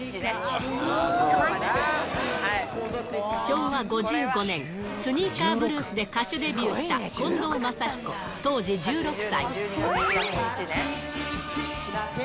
昭和５５年、スニーカーブルースで歌手デビューした近藤真彦、当時１６歳。